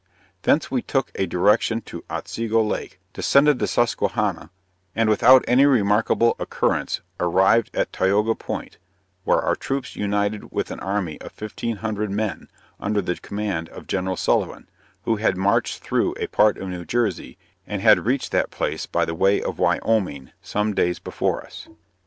Thence we took a direction to Otsego lake, descended the Susquehanna, and without any remarkable occurrence, arrived at Tioga Point, where our troops united with an army of 1500 men under the command of Gen. Sullivan, who had marched through a part of New Jersey, and had reached that place by the way of Wyoming, some days before us.